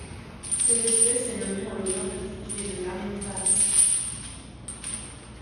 Cette espèce est nommée en l'honneur de Dick et de Marilyn Faris.